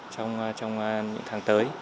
trong những tháng tới